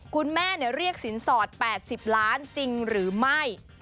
คุณแม่เรียกสินสอด๘๐ล้านจริงหรือไม่